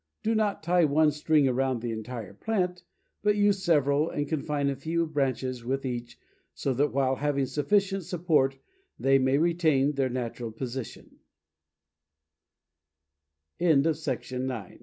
Do not tie one string around the entire plant, but use several, and confine a few branches with each, so that, while having sufficient support, they may retain the